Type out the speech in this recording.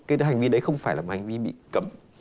cái hành vi đấy không phải là một hành vi bị cấm